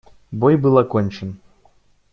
Бой был окончен.